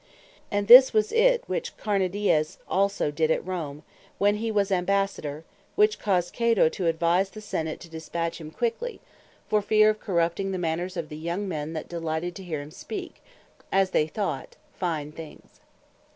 And this was it which Carneades also did at Rome, when he was Ambassadour: which caused Cato to advise the Senate to dispatch him quickly, for feare of corrupting the manners of the young men that delighted to hear him speak (as they thought) fine things.